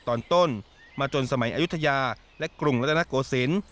ตอนต้นมาจนสมัยอายุทยาและกรุงและตั้งแต่นักโกศิลป์